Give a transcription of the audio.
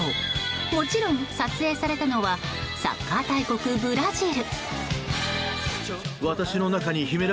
もちろん、撮影されたのはサッカー大国ブラジル。